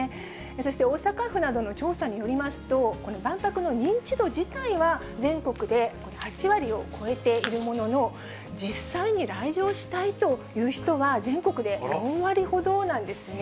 そして大阪府などの調査によりますと、万博の認知度自体は全国でこれ、８割を超えているものの、実際に来場したいという人は、全国で４割ほどなんですね。